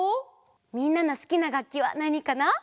みんなのすきながっきはなにかな？